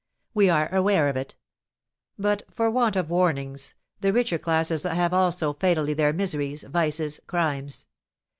We are aware of it. But for want of warnings, the richer classes have also fatally their miseries, vices, crimes.